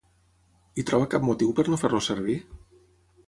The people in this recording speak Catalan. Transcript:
Hi troba cap motiu per no fer-los servir?